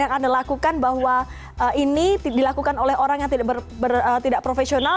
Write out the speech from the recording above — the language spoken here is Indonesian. yang anda lakukan bahwa ini dilakukan oleh orang yang tidak profesional